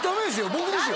僕ですよ